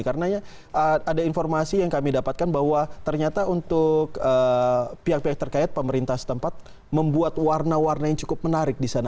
karena ada informasi yang kami dapatkan bahwa ternyata untuk pihak pihak terkait pemerintah setempat membuat warna warna yang cukup menarik di sana